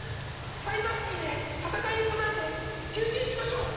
サイバーシティーで戦いに備えて休憩しましょう。